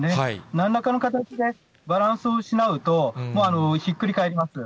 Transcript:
なんらかの形でバランスを失うと、ひっくり返ります。